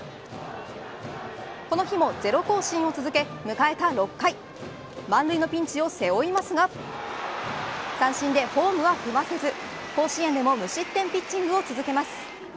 この日もゼロ更新を続け、迎えた６回満塁のピンチを背負いますが三振でホームは踏ませず甲子園でも無失点ピッチングを続けます。